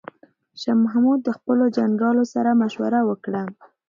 شاه محمود د خپلو جنرالانو سره مشوره وکړه.